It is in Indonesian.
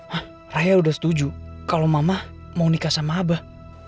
ah raya udah setuju kalau mama mau nikah sama abah